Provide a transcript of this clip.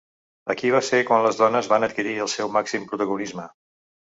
Aquí va ser quan les dones van adquirir el seu màxim protagonisme.